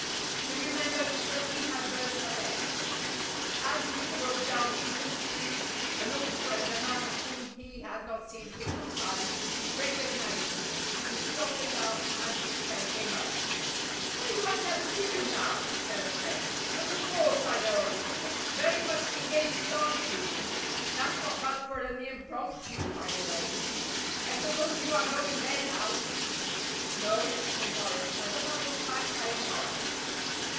He remembered that he had burnt her letters. As he drove down Regent Street an old friend, a man whom he had not seen for some time, recognised him. He stopped the cab and his friend came up. "Why do I never see you now?" said the friend. "But of course I know. Very much engaged aren't you? (That's not bad for an impromptu, by the way.) I suppose you are going there now?" "No," said Morris, "as a matter of fact I am not."